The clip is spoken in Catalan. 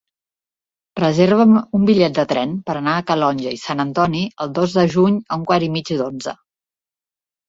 Reserva'm un bitllet de tren per anar a Calonge i Sant Antoni el dos de juny a un quart i mig d'onze.